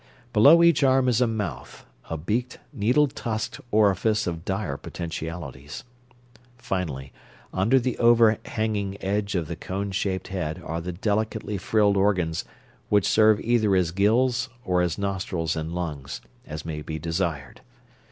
Below each arm is a mouth: a beaked, needle tusked orifice of dire potentialities. Finally, under the overhanging edge of the cone shaped head are the delicately frilled organs which serve either as gills or as nostrils and lungs, as may be desired.